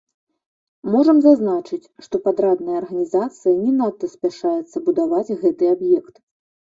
Можам зазначыць, што падрадная арганізацыя не надта спяшаецца будаваць гэты аб'ект.